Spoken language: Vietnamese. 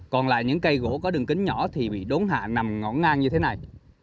còn lại những cây gỗ có đường kính nhỏ thì bị đốn hạ nằm ngổn ngang như thế này